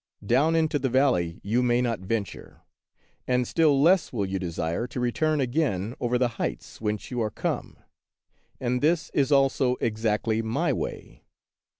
Down into the valley you may not venture, and still less will you desire to return again over the heights whence you are come; and this is also exactly my way.